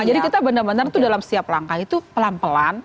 jadi kita benar benar tuh dalam setiap langkah itu pelan pelan